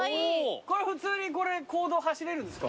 これ普通に公道走れるんですか？